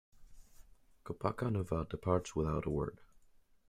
Kopaka Nuva departs without a word.